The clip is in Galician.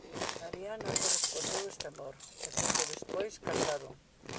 Ariadna correspondeu este amor e pouco despois casaron.